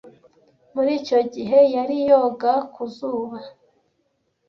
Muri icyo gihe, yari yoga ku zuba.